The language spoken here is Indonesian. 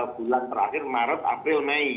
bulan terakhir maret april mei